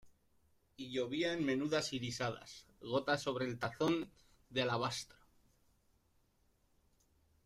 y llovía en menudas irisadas gotas sobre el tazón de alabastro.